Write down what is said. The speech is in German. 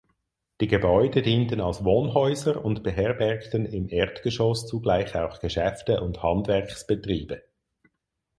Die Gebäude dienten als Wohnhäuser und beherbergten im Erdgeschoss zugleich auch Geschäfte und Handwerksbetriebe.